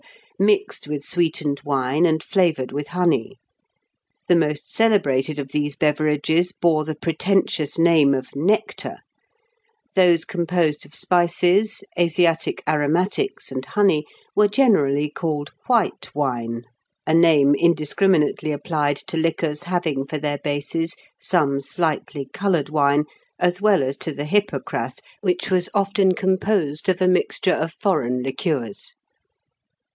mixed with sweetened wine and flavoured with honey. The most celebrated of these beverages bore the pretentious name of "nectar;" those composed of spices, Asiatic aromatics, and honey, were generally called "white wine," a name indiscriminately applied to liquors having for their bases some slightly coloured wine, as well as to the hypocras, which was often composed of a mixture of foreign liqueurs.